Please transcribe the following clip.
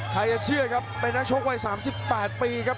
จะเชื่อดครับเป็นนักชกวัย๓๘ปีครับ